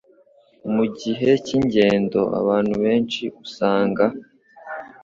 Mu gihe cy’ingendo, abantu benshi usanga